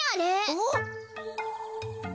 おっ？